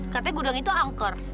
katanya gudang itu angker